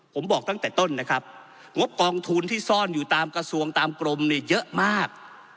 ผมบอกตั้งแต่ต้นนะครับงบกองทุนที่ซ่อนอยู่ตามกระทรวงตามกรมเนี่ยเยอะมาก